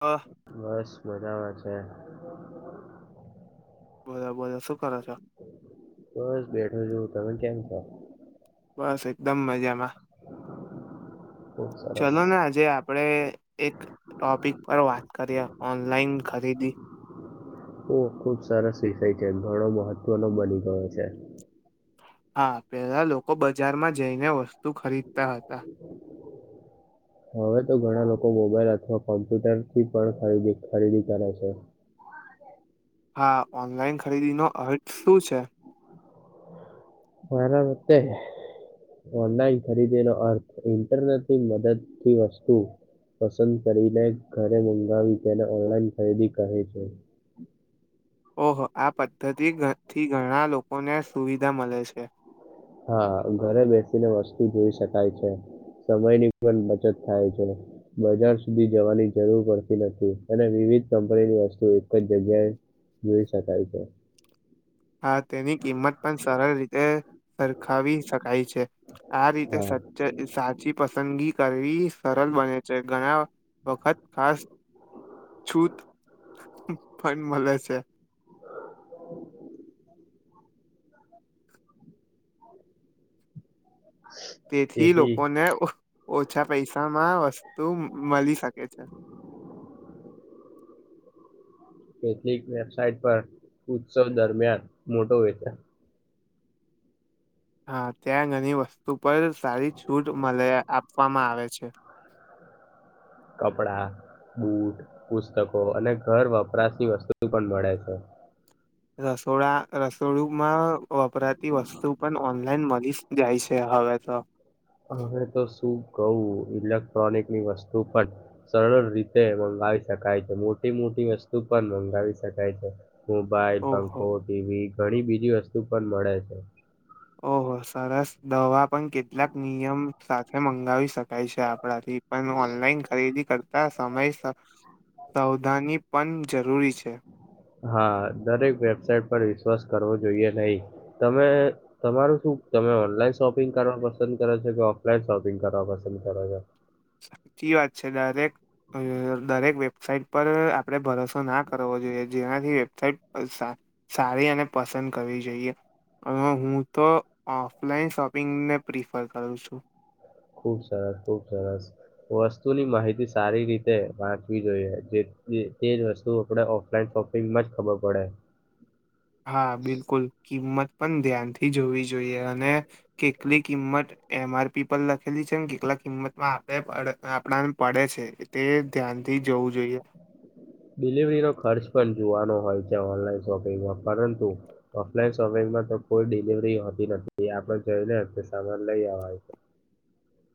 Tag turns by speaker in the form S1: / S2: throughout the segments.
S1: અહ
S2: બસ મજામાં છે.
S1: બોલો બોલૉ.
S2: બસ બેઠો જોવું તમે કેમ છો?
S1: બસ એકદમ મજામાં.
S2: [inaudible]
S1: ચાલો ને, આજે આપણેે એક ટોપિક પર વાત કરીએ ઓનલાઈન ખરીદી.
S2: એ ખુબ સરસ વિષય છે. ઘણો મહત્વનો બની ગયો છે.
S1: હા, પેલા લોકો બજારમાં જઈને વસ્તુ ખરીદતા હતા. [unintelligible]
S2: હવે તો ઘણા લોકો મોબાઈલ અથવા કોમ્પ્યુટર થી પણ ખરીદી કરે છે.
S1: હા, ઓનલાઈન ખરીદીનો અર્થ શું છે?
S2: મારા મતે ઓનલાઈન ખરીદી નો અર્થ ઇન્ટરનેટ ની મદદ થી વસ્તુ પસંદ કરીને ઘરે મંગાવી તેને ઓનલાઈન ખરીદી કહે છે.
S1: ઓહો, આ પદ્ધતિથી ઘણા લોકોને સુવિધા મળે છે.
S2: હા, ઘરે બેસીને વસ્તુ જોઈ શકાય છે. સમયની પણ બચત થાય છે. બજાર સુધી જવાની જરૂર પડતી નથી અને વિવિધ કંપનીની વસ્તુ એક જ જગ્યાએ જોઈ શકાય છે.
S1: હા, તેની કિંમત પણ સરળ રીતે સરખાવી શકાય છે. આ રીતે
S2: હા
S1: સ સાચી પસંદગી કરવી સરળ બને છે. ઘણા વખત ખાસ છૂત પણ મળે છે.
S2: [inaudible]
S1: તેથી લોકોને ઓ ઓછા પૈસા માં વસ્ તુ મળી શકે છે.
S2: કેટલીક વેબસાઇટ પર ઉત્સવ દરમિયાન મોટો વેચાણ
S1: હા, ત્યાં ઘણી વસ્તુ પર સારી છૂટ મળે આપવામાં આવે છે. [unintelligible]
S2: કપડાં, બુટ, પુસ્તકો અને ઘર વપરાશી વસ્તુ પણ મળે છે.
S1: રસોડા રસોડુંમાં વપરાતી વસ્તુ પણ ઓનલાઈન મળીસ જાય છે. હવે તો
S2: હવે તો શું કવું. ઇલેક્ટ્રોનિકની વસ્તુ પણ સરળ રીતે મંગાવી શકાય છે. મોટી મોટી વસ્તુ પણ મંગાવી શકાય છે. મોબાઈલ,
S1: ઓહો
S2: પંખો, ટીવી ઘણી બીજી વસ્તુ પણ મળે છે.
S1: ઓહો, સરસ દવા પણ કેટલાક નિયમ સાથે મંગાવી શકાય છે આપ પણ ઓનલાઈન ખરીદી કર સમય સા સાવધાની પણ જરૂરી છે.
S2: હા, દરેક વેબસાઇટ પર વિશ્વાસ કરવો જોઈએ નહીં. તમે તમારું શું તમે ઓનલાઈન શોપિંગ કરવા પસંદ કરો છો કે ઓફલાઈન શોપિંગ કરવા પસંદ કરો છો?
S1: સાચી વાત છે. દરેક દરેક વેબસાઇટ પર આપડે ભરોસો ના કરવો જોઈએ, જેનાથી વેબસાઇટ પળ સારી અને પસંદ કરવી જોઈએ. હ, હું, તો ઓફલાઈન શોપિંગને પ્રિફર કરું છું.
S2: ખુબ સરસ, ખુબ સરસ વસ્તુની માહિતી સારી રીતે વાંચવી જોઈએ, જે તે જ વસ્તુ આપડે ઓફલાઈન શોપિંગમાં જ ખબર પડે.
S1: હા, બિલકુલ કિંમત પણ ધ્યાનથી જોવી જોઈએ અને કેટલી કિંમત એમ. આર. પી પર લખેલી છે ને કેટલાક કિંમતમાં આપણે આપણાને પડે છે. તે ધ્યાનથી જવું જોઈએ.
S2: ડિલિવરીનો ખર્ચ પણ જોવાનો હોય છે ઓનલાઈન શોપિંગમાં, પરંતુ ઓફલાઈન શોપિંગમાં તો કોઈ ડિલિવરી હોતી નથી. એ આપણે જોઈ ને આપણું સામાન લઈ આવાનુ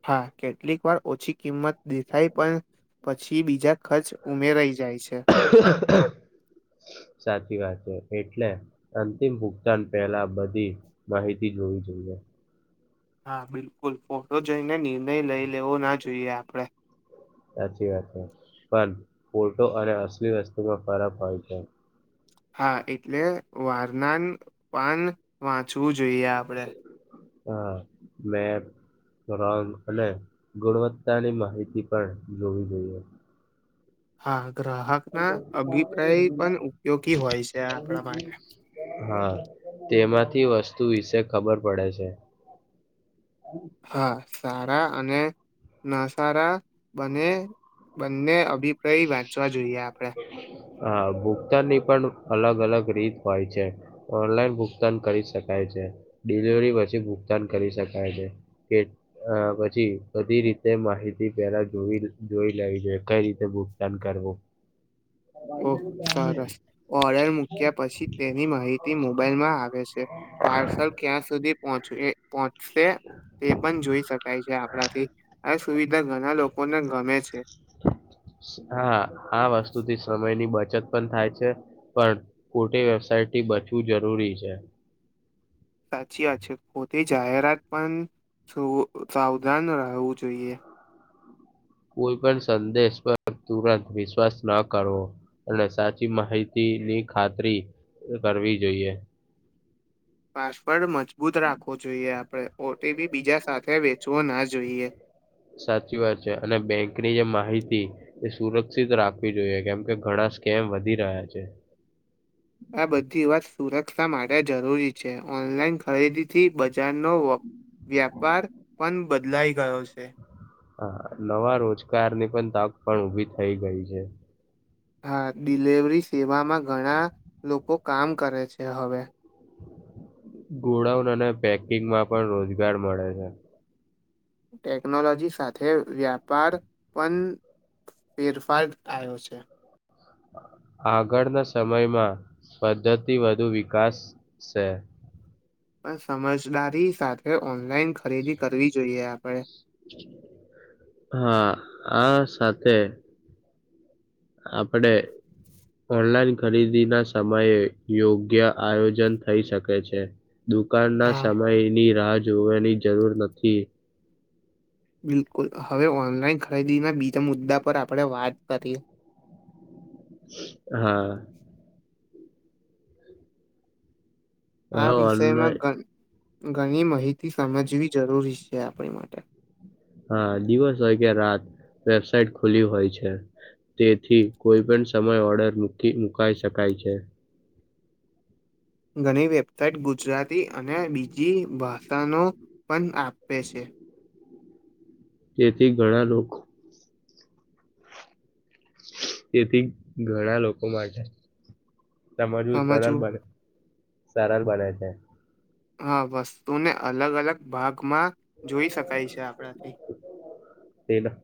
S1: હા, કેટલીક વાર ઓછી કિંમત દેખાય પણ પછી બીજા ખર્ચ ઉમેરાઈ જાય છે
S2: સાચી વાત છે. એટલે અંતિમ ભુગતાન પહેલા બધી માહિતી જોવી જોઈએ.
S1: હા, બિલકુલ ફોટો જોઈને નિર્ણય લઈ લેવો ના જોઈએ આપડે.
S2: સાચી વાત છે. પણ ફોટો અને અસલી વસ્તુમાં ફરક હોય છે.
S1: હા એટલે વારનાન પાન વાંચવું જોઈએ આપડે
S2: હા મે અને ગુણવત્તાની માહિતી પણ જોવી જોઈએ
S1: હાા ગ્રાહક ના અભિપ્રાય પણ ઉપયોગી હોય છે આપણા માટે
S2: હા તેમાંથી વસ્તુ વિશે ખબર પડે છે
S1: હા સારા અને ના સારા બને બંને અભિપ્રાય વાંચવા જોઈએ આપણે
S2: હા ભુગતાન ની પણ અલગ અલગ રીત હોય છે ઓનલાઈન ભુગતાન કરી શકાય છે ડિલિવરી પછી ભુગતાન કરી શકાય છે કે અ પછી બધી રીતે માહિતી પેલા જોઈ લ લેવી જોઈએ કઈ રીતે ભુગતાન કરવું
S1: ઓહ સરસ ઓર્ડર મૂક્યા પછી તેની માહિતી મોબાઈલમાં આવે છે પાર્સલ ક્યાં સુધી પહોંચ પહોચ તે એ પણ જોઈ શકાય છે આપણાથી આ સુવિધા ઘણા લોકો
S2: હા આ વસ્તુ થી સમય ની બચ બચત પણ થાય છે પણ ખોટી વેબસાયટ થી બચવું જરૂરી છે
S1: સાચી વાત છે પોતે જાહેરાત પણ શું સાવધાન રહેવું જોઈએ
S2: કોઈ પણ સંદેશ પર તુરંત વિશ્વાસ ના કરવો અને સાચી માહિતી ની ખાતરી કરવી જોઈએ
S1: પાસવર્ડ મજબૂત રાખવો જોઈએ આપડે પોતે બી બીજા સાથે વેચવો ના જોઈએ
S2: સાચી વાત છે અને બેંકની જે માહિતી એ સુરક્ષિત રાખવી જોઈએ કેમ કે ઘણા સ્કેમ વધી રહ્યા છે
S1: [inaudible] [inaudible] આ બધી વાત સુરક્ષા માટે જરૂરી છે ઓનલાઈન ખરીદીથી બજારનો વ વ્યાપાર પણ બદલાઈ ગયો છે
S2: હા નવા રોજગારની પણ તક પણ ઉભી થઈ ગઈ છે
S1: હા ડિલેવરી સેવામાં ઘણા લોકો કામ કરે છે હવે
S2: ગોડાઉન અને પેકિંગમાં પણ રોજગાર મળે છે
S1: ટેકનોલોજી સાથે વ્યાપાર પણ ફેરફાર થયો છે
S2: આગળના સમયમાં પદ્ધતિ વધુ વિકાસ છે
S1: પણ સમજદારી સાથે ઓનલાઈન ખરીદી કરવી જોઈએ આપણે
S2: હા આ સાથે આપડે ઓનલાઈન ખરીદી ના સમયે યોગ્ય આયોજન થઈ શકે છે દુકાન ના
S1: હા
S2: સમયની રાહ જોવાની જરૂર નથી
S1: બિલકુલ હવે ઓનલાઈન ખરીદીના બીજા મુદ્દા પર આપણે વાત કરીએ [inaudible]
S2: હા
S1: આ
S2: હા
S1: વિષયમાં
S2: ઓનલાઈન
S1: ગન ઘણી માહિતી સમજવી જરૂરી છે આપણી માટે
S2: હા દિવસ હોય કે રાત વેબસાઇટ ખુલી હોય છે તેથી કોઈ પણ સમય ઓર્ડર મુકી મુકાઈ શકાય છે
S1: ઘણી વેબસાઇટ ગુજરાતી અને બીજી ભાષાનો પણ આપે છે
S2: તેથી ઘણા લોકો તેથી ઘણા લોકો માટે સમજવું સરળ બને સરળ બને છે
S1: હા વસ્તુને અલગ અલગ ભાગમાં જોઈ શકાય છે આપણાથી
S2: તેના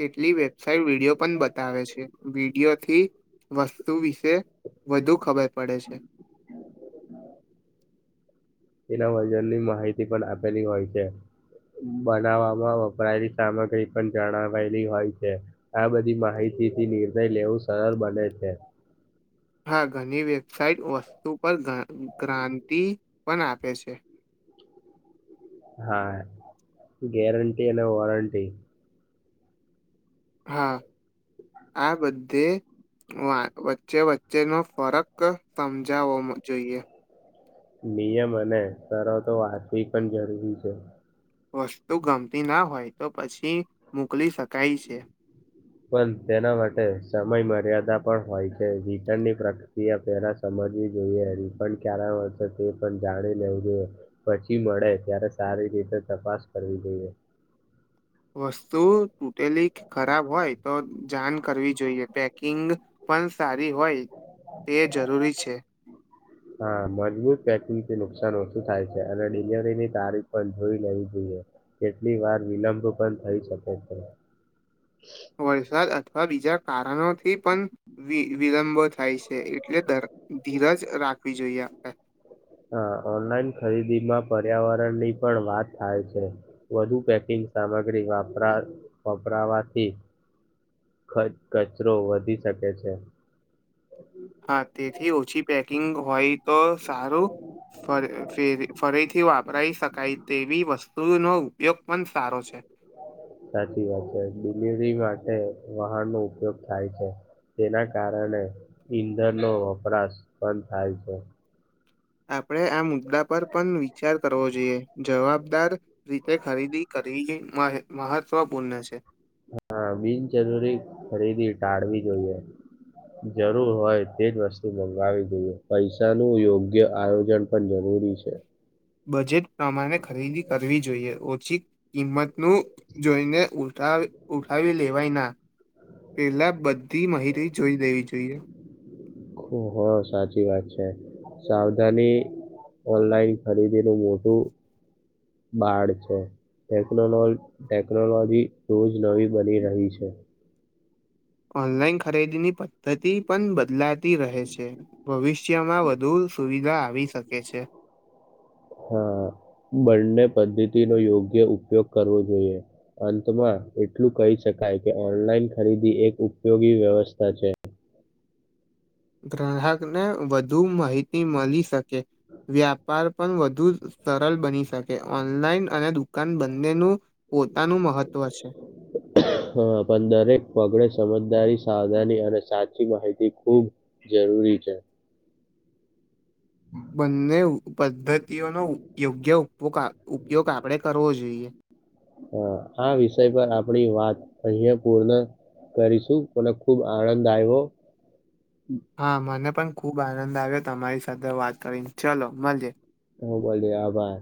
S1: કેટલી વેબસાઇટ વિડિયો બતાવે છે વિડિયોથી વસ્તુ વિશે વધુ ખબર પડે છે
S2: એના વજનની માહિતી પણ આપેલી હોય છે બનાવામાં વપરાયેલી સામગ્રી પણ જણાવેલી હોય છે આ બધી માહિતી થી નિર્ણય લેવું સરળ બને છે
S1: હા ઘણી વેબસાઇટ વસ્તુ પર ગ્રેરનટી પણ આપે છે
S2: હા ગ્રેરનટી અને વોરંટી
S1: હા આ બધે વચ્ચે વચ્ચેનો ફરક સમજાવો જોઈએ
S2: નિયમ અને સરતો વાંચવી પણ જરૂરી છે
S1: વસ્તુ ગમતી ના હોય તો પાછી મોકલી શકાય છે
S2: પણ તેના માટે સમય મર્યાદા પણ હોય છે રિટનની પ્રક્રિયા પહેલા જોઈ રિફડ ક્યારે આવશે તે પણ જાણી લેવું જોઈએ પછી મળે ત્યારે સારી રીતે તપાસ કરવી જોઈએ
S1: [inaudible] વસ્તુ તૂટેલી ખરાબ હોય તો જાણ કરવી જોઈએ પેકિંગ પણ સારી હોય તે જરૂરી છે
S2: હા મજબૂત પેકિંગથી નુકસાન ઓછું થાય છે અને ડિલિવરીની તારીખ પણ જોઈ લેવી જોઈએ કેટલી વાર વિલંબ પણ થઈ શકે છે
S1: [inaudible] વરસાદ અથવા બીજા કારણોથી પણ વિલંબો થાય છે એટલે ધીરજ રાખવી જોઈએ આપે
S2: હા ઓનલાઈન ખરીદીમાં પર્યાવરણ ની પણ વાત થાય છે વધુ પેકિંગ સામગ્રી વપરા વપરાવાથી
S1: [inaudible]
S2: કચરો વધી શકે છે
S1: હા તેથી ઓછી પેકિંગ હોય તો સારું ફર ફેરી ફરીથી વાપરાઈ શકાય તેવી વસ્તુનો ઉપયોગ પણ સારો છે
S2: સાચી વાત છે ડિલિવરી માટે વાહન નો ઉપયોગ થાય છે. તેના કારણે ઈંધણનો વપરાશ બંધ થાય છે.
S1: આપડે આ મુ દ્દા પર પણ વિચાર કરવો જોઈએ જવાબદાર રીતે ખરીદી કર વીએ મહે મહત્વપૂર્ણ છે.
S2: હા બિનજરૂરી ખરીદી ટાળવી જોઈએ. જરૂર હોય તેજ વસ્તુ મંગાવી દઈએ પૈસા નું યોગ્ય આયોજન પણ જરૂરી જરૂરી છે.
S1: બજેટ પ્રમાણે ખરીદી કરવી જોઈએ ઓછી કિંમત નું જોઈને ઉલટા ઉઠાવી લેવાય ના પેલા બ ધી માહિતી જોઈ લેવી જોઈએ.
S2: હ સાચી વાત છે સાવધાની ઓનલાઈન ખરીદી નું મોટું બાર છે. ટેકનોલો ટેકનોલોજી રોજ નવી બની રહી છે.
S1: ઓનલાઈન ખરીદી ની પદ્ધતિ પણ બદલાતી રહે છે. ભવિષ્યમાં વધુ સુવિધા આવી શકે છે.
S2: હા બંને પદ્ધતિ નો યોગ્ય ઉપયોગ કરવો જોઈએ. અંતમાં એટલું કહી શકાય કે ઓનલાઈન ખરીદી એક ઉપયોગી વ્યવસ્થા છે.
S1: [inaudible] ગ્રાહકને વધુ માહિતી મળી શકે. વ્યાપાર પણ વધુ સરળ બની શકે ઓનલાઈન અને દુકાન બંનેનું પોતાનું મહત્વ છે
S2: હા પણ દરેક પગડે સમજદારી સાવધાની અને સાચી માહિતી ખૂબ જરૂરી છે.
S1: બંને પદ્ધતિઓનો યોગ્ય ઉપયોગ આપણે કરવો જોઈએ.
S2: હ આ વિષય પર આપણી વાત અયાં પૂર્ણ કરીશું મને ખુબ આનંદ આયવો.
S1: હા મને પણ ખુબ આનંદ આવ્યો તમારી સાથે વાત કરીને ચલો મળીએ.
S2: હ બોલીએ આભાર